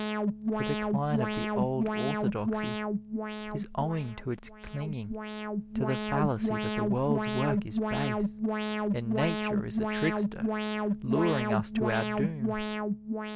The decline of the old orthodoxy is owing to its clinging to the fallacy that the world's work is base, and Nature is a trickster luring us to our doom.